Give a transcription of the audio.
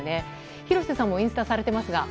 廣瀬さんもインスタされていますが。